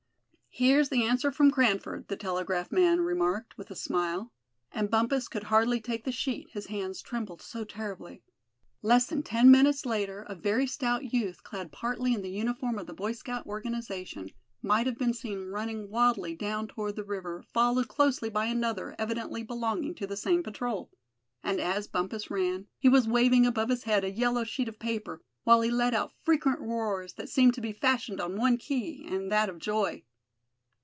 "Here's the answer from Cranford," the telegraph man remarked, with a smile; and Bumpus could hardly take the sheet, his hands trembled so terribly. Less than ten minutes later, a very stout youth, clad partly in the uniform of the Boy Scout organization, might have been seen running wildly down toward the river, followed closely by another, evidently belonging to the same patrol. And as Bumpus ran, he was waving above his head a yellow sheet of paper, while he let out frequent roars, that seemed to be fashioned on one key, and that of joy.